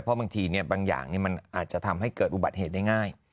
เพราะบางทีบางอย่างมันอาจจะทำให้เกิดอุบัติเหตุได้ง่าย